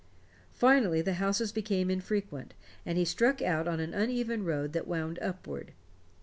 Finally the houses became infrequent, and he struck out on an uneven road that wound upward.